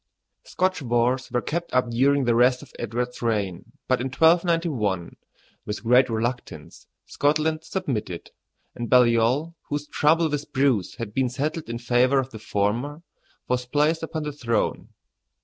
Scotch wars were kept up during the rest of Edward's reign; but in 1291, with great reluctance, Scotland submitted, and Baliol, whose trouble with Bruce had been settled in favor of the former, was placed upon the throne.